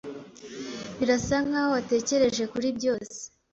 Birasa nkaho watekereje kuri byose.